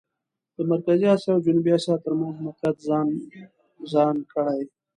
د مرکزي اسیا او جنوبي اسیا ترمېنځ موقعیت ځان کړي.